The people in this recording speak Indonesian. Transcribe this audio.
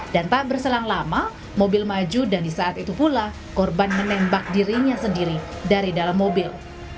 dan tak berselang lama mobil maju dan di saat itu pula korban menembak dirinya sendiri dari dalam mobil